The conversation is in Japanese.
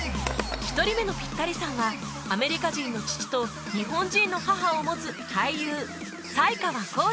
１人目のピッタリさんはアメリカ人の父と日本人の母を持つ俳優才川コージ